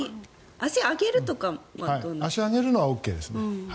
足を上げるのはＯＫですね。